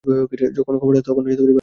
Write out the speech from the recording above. যখন খবরটা আসে, তখন ব্যাংককেই ছিলাম।